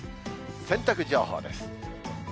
洗濯情報です。